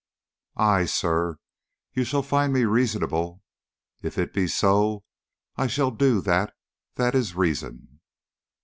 Ay, sir, you shall find me reasonable; if it be so, I shall do that that is reason.